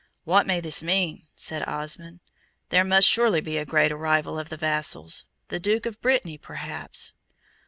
"What may this mean?" said Osmond. "There must surely be a great arrival of the vassals. The Duke of Brittany, perhaps."